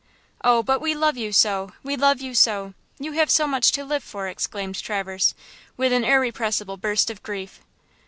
"Oh, but we love you so! we love you so! you have so much to live for!" exclaimed Traverse, with an irrepressible burst of grief.